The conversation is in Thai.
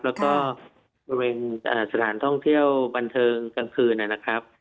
แล้วก็บริเวณสถานท่องเที่ยวบันเทิงกลางคืนนะครับ